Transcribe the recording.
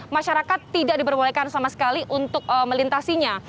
masyarakat tidak diperbolehkan sama sekali untuk melintasinya